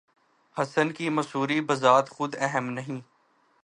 حسن کی مصوری بذات خود اہم نہیں